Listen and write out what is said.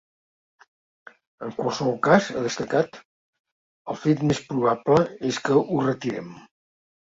En qualsevol cas, ha destacat: “El fet més probable és que ho retirem”.